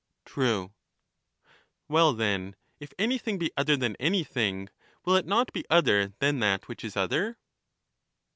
True. Well, then, if anything be other than anything, will it not be other than that which is other